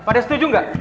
pada setuju gak